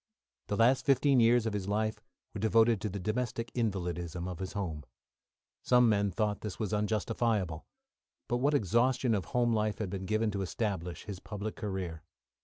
The last fifteen years of his life were devoted to the domestic invalidism of his home. Some men thought this was unjustifiable. But what exhaustion of home life had been given to establish his public career!